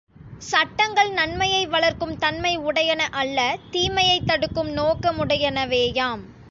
சட்டங்கன் நன்மையை வளர்க்கும் தன்மை உடையன அல்ல தீமையை தடுக்கும் நோக்க முடையனவேயாம்.